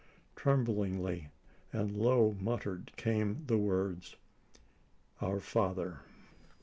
Tremblingly and low muttered came the words: "Our father